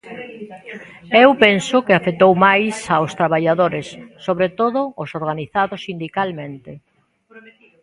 E eu penso que afectou máis aos traballadores, sobre todo os organizados sindicalmente.